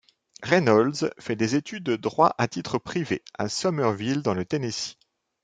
Reynolds fait des études de droit à titre privé, à Somerville, dans le Tennessee.